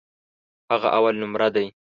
هغه اولنومره دی.